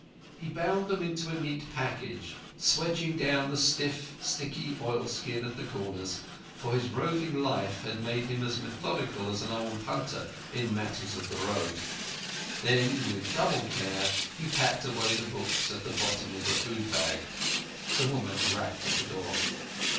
He bound them into a neat packet, swedging down the stiff, sticky oilskin at the comers, for his roving life had made him as methodical as an old hunter in matters of the road. Then with double care he packed away the books at the bottom of the food bag. The woman rapped at the door.